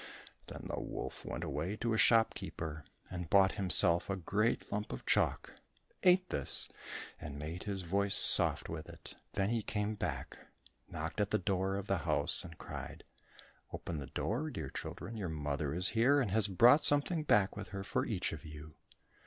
Then the wolf went away to a shopkeeper and bought himself a great lump of chalk, ate this and made his voice soft with it. The he came back, knocked at the door of the house, and cried, "Open the door, dear children, your mother is here and has brought something back with her for each of you."